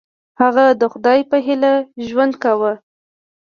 هغه د خدای په هیله ژوند کاوه.